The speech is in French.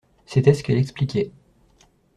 C’était ce qu’elle expliquait.